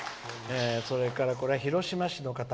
それから広島市の方。